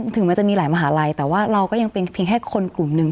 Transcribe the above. ถึงมันจะมีหลายมหาลัยแต่ว่าเราก็ยังเป็นเพียงแค่คนกลุ่มหนึ่ง